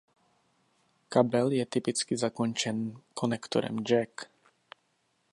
Kabel je typicky zakončen konektorem Jack.